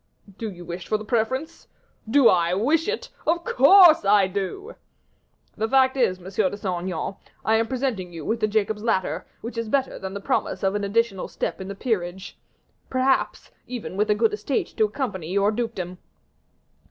"Do you wish for the preference?" "Do I wish it? Of course I do." "The fact is, Monsieur de Saint Aignan, I am presenting you with a Jacob's ladder, which is better than the promise of an additional step in the peerage perhaps, even with a good estate to accompany your dukedom."